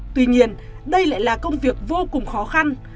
tuy nhiên đây lại là công việc vô cùng khó khăn